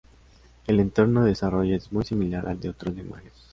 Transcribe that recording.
El entorno de desarrollo es muy similar al de otros lenguajes.